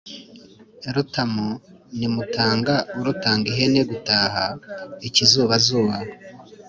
Rutamu ni Mutanga urutanga ihene gutaha.-Ikizubazuba.